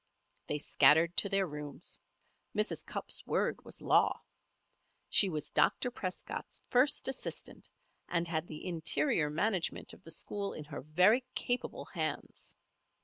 They scattered to their rooms. Mrs. Cupp's word was law. She was Dr. Prescott's first assistant, and had the interior management of the school in her very capable hands.